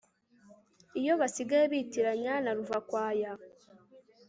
Iyo basigaye bitiranya na ruvakwaya